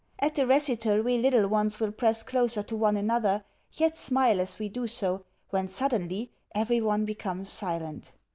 At the recital we little ones will press closer to one another, yet smile as we do so; when suddenly, everyone becomes silent.